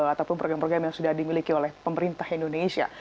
ataupun program program yang sudah dimiliki oleh pemerintah indonesia